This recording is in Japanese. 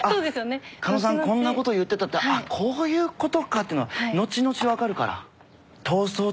狩野さんこんなこと言ってたのこういうことかってのが後々分かるから。